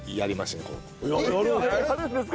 やるんですか？